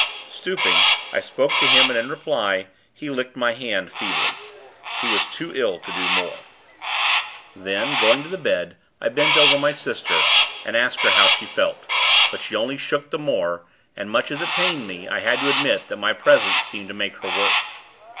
Stooping, I spoke to him, and, in reply, he licked my hand, feebly. He was too ill to do more. Then, going to the bed, I bent over my sister, and asked her how she felt; but she only shook the more, and, much as it pained me, I had to admit that my presence seemed to make her worse.